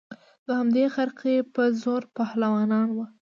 د همدې خرقې په زور پهلوانان وه